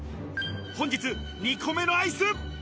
本日２個目のアイス。